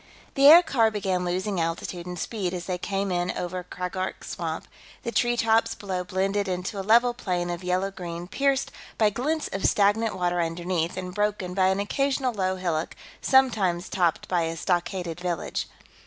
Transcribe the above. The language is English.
The aircar began losing altitude and speed as they came in over Kraggork Swamp; the treetops below blended into a level plain of yellow green, pierced by glints of stagnant water underneath and broken by an occasional low hillock, sometimes topped by a stockaded village.